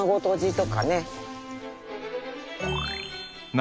何？